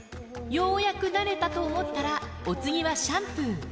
ようやく慣れたと思ったら、お次はシャンプー。